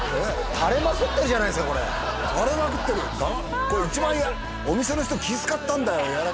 垂れまくってるじゃないですかこれ垂れまくってるこれ一番お店の人気使ったんだよ